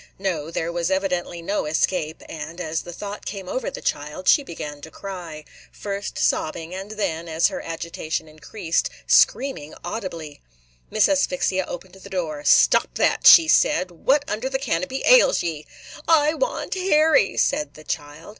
No; there was evidently no escape; and, as the thought came over the child, she began to cry, – first sobbing, and then, as her agitation increased, screaming audibly. Miss Asphyxia opened the door. "Stop that!" she said. "What under the canopy ails ye?" "I – want – Harry!" said the child.